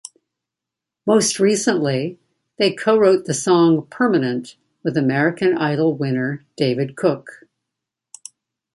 Most recently, they co-wrote the song "Permanent" with American Idol winner David Cook.